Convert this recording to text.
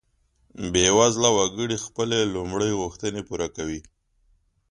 بیوزله وګړي خپلې لومړۍ غوښتنې پوره کوي.